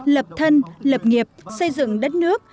lập thân lập nghiệp xây dựng đất nước